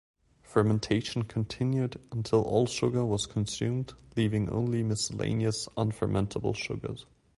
Fermentation continued until all the sugar was consumed, leaving only miscellaneous unfermentable sugars.